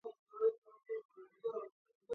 მგზავრობის პირველ ღამეს მოხდება მკვლელობა.